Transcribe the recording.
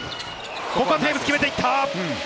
ここはテーブス、決めていった。